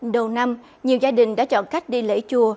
đầu năm nhiều gia đình đã chọn cách đi lễ chùa